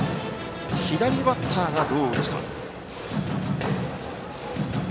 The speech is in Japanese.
左バッターがどう打つか。